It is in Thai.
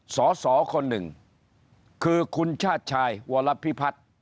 สอสอคนหนึ่งคือคุณชาติชายวรพิพัฒน์